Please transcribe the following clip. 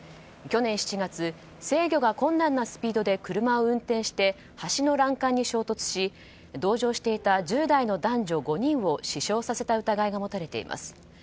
去年７月制御が困難なスピードで車を運転して橋の欄干に衝突し同乗していた１０代の男女５人を死傷させた疑いが持たれています。